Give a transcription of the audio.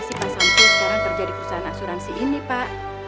sekarang terjadi perusahaan asuransi ini pak